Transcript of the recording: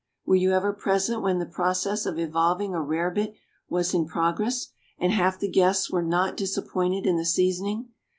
Were you ever present when the process of evolving a rarebit was in progress and half the guests were not disappointed in the seasoning?